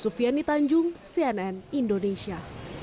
sufiani tanjung cnn indonesia